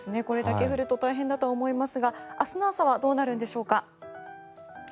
これだけ降ると大変だと思いますが明日の朝はどうなるんでしょうか。